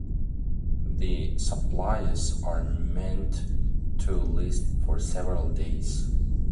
These supplies are meant to last for several days.